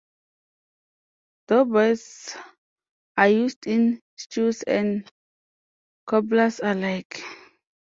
Dough-boys are used in stews and cobblers alike.